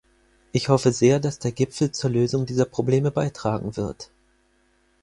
Ich hoffe sehr, dass der Gipfel zur Lösung dieser Probleme beitragen wird.